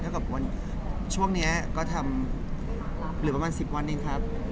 กับวันช่วงนี้ก็ทำหรือประมาณ๑๐วันเองครับ